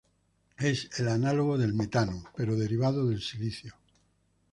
Es el análogo del metano, pero derivado del silicio.